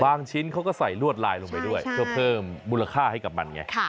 ชิ้นเขาก็ใส่ลวดลายลงไปด้วยเพื่อเพิ่มมูลค่าให้กับมันไง